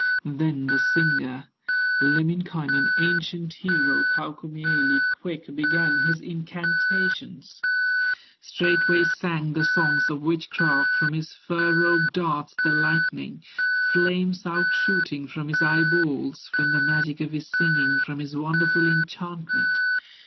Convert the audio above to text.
Then the singer, Lemminkainen, Ancient hero, Kaukomieli, Quick began his incantations, Straightway sang the songs of witchcraft, From his fur robe darts the lightning, Flames outshooting from his eye balls, From the magic of his singing, From his wonderful enchantment.